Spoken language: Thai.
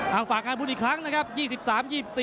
เอาฝากงานบุญอีกครั้งนะครับ